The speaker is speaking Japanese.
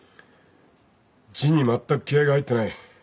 字にまったく気合が入ってない。